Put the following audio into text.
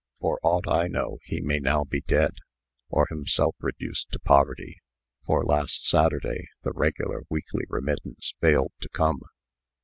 For aught I know, he may now be dead, or himself reduced to poverty; for, last Saturday, the regular weekly remittance failed to come."